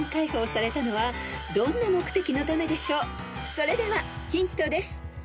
［それではヒントです］